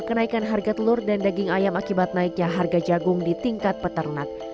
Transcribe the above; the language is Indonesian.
kenaikan harga telur dan daging ayam akibat naiknya harga jagung di tingkat peternak